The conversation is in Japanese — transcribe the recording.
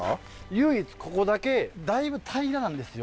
唯一ここだけだいぶ平らなんですよ。